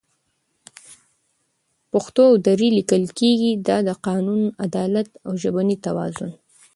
پښتو او دري لیکل کېږي، دا د قانون، عدالت او ژبني توازن